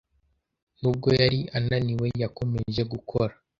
Nubwo yari ananiwe, yakomeje gukora.